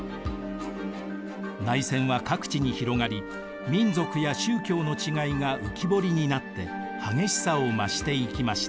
内戦は各地に広がり民族や宗教の違いが浮き彫りになって激しさを増していきました。